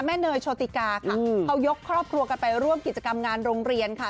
เนยโชติกาค่ะเขายกครอบครัวกันไปร่วมกิจกรรมงานโรงเรียนค่ะ